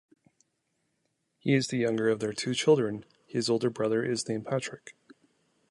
He is the younger of their two children; his older brother is named Patrick.